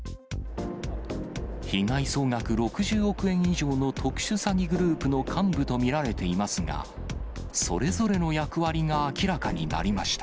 被害総額６０億円以上の特殊詐欺グループの幹部と見られていますが、それぞれの役割が明らかになりました。